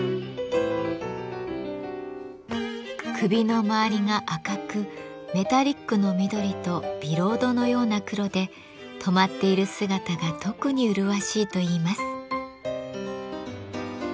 首の周りが赤くメタリックの緑とビロードのような黒で止まっている姿が特に麗しいといいます。